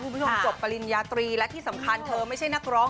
คุณผู้ชมจบปริญญาตรีและที่สำคัญเธอไม่ใช่นักร้อง